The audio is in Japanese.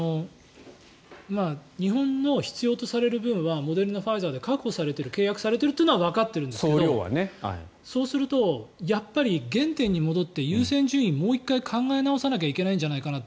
日本の必要とされる分はモデルナ、ファイザーで確保されている契約されてるというのはわかってるんですけどそうするとやっぱり原点に戻って優先順位をもう１回考え直さないといけないんじゃないかなって